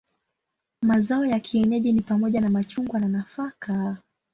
Mazao ya kienyeji ni pamoja na machungwa na nafaka.